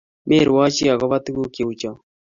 Merwochi agoba tuguk cheucho